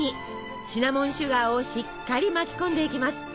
シナモンシュガーをしっかり巻き込んでいきます。